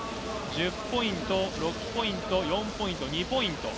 １０ポイント、６ポイント、４ポイント、２ポイント。